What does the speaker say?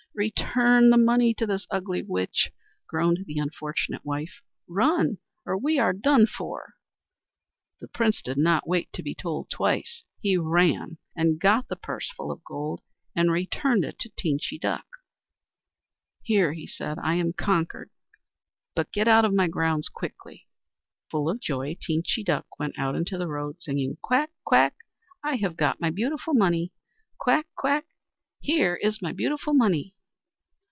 "Return the money to this ugly witch," groaned the unfortunate wife. "Run, or we are done for." The Prince did not wait to be told twice. He ran and got the purse full of gold, and returned it to Teenchy Duck. "Here," said he, "I am conquered. But get out of my grounds quickly." Full of joy, Teenchy Duck went out into the road singing: "Quack! quack! I have got my beautiful money! Quack! quack! Here is my beautiful money!"